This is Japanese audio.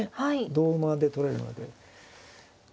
同馬で取れるので。